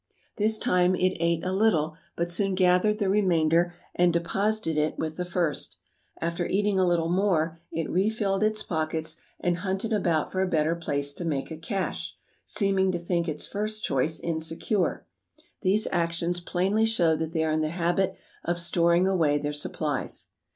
This time it ate a little, but soon gathered the remainder and deposited it with the first. After eating a little more, it refilled its pockets and hunted about for a better place to make a cache, seeming to think its first choice insecure. These actions plainly show that they are in the habit of storing away their supplies."